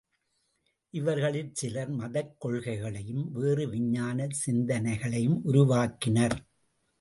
இவர்களில் சிலர் மதக்கொள்கைகளையும், வேறு விஞ்ஞானச் சிந்தனைகளையும் உருவாக்கினர்.